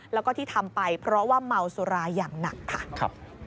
แล้วก็ที่ทำไปเพราะว่าเมาสุราอย่างหนักค่ะ